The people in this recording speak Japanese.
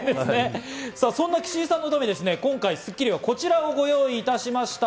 そんな岸井さんのため、今回『スッキリ』はこちらをご用意いたしました。